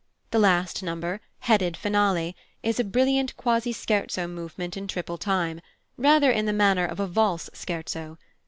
The last number, headed "Finale," is a brilliant quasi scherzo movement in triple time rather in the manner of a valse scherzo.